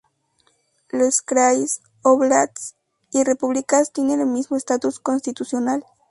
Los "krais", "óblasts", y repúblicas tienen el mismo estatus constitucional.